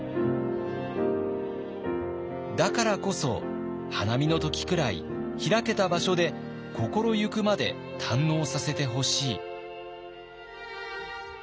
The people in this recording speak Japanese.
だからこそ花見の時くらい開けた場所で心行くまで堪能させてほしい。